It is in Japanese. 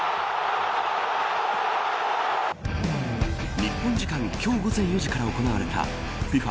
日本時間今日午前４時から行われたＦＩＦＡ